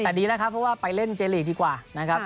แต่ดีนะครับเพราะว่าไปเล่นเจลีกดีกว่านะครับ